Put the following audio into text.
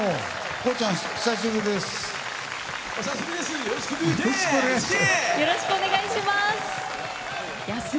ＫＯＯちゃん、久しぶりです。